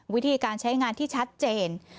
วิธีการใช้งานที่ชัดเจน